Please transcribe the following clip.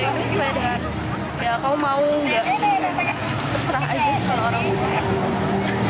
itu sesuai dengan ya kalau mau enggak terserah aja kalau orang mau